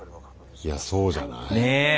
いやそうじゃない？ねえ？